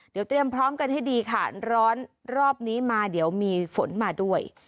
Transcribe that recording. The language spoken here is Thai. เดี๋ยวเตรียมพร้อมกันให้ดีค่ะร้อนรอบนี้มาเดี๋ยวมีฝนมาด้วย